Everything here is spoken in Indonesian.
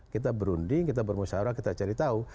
kita berunding kita bermusyawarah kita cari tahu